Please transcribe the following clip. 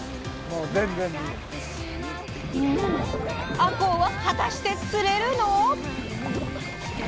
あこうは果たして釣れるの？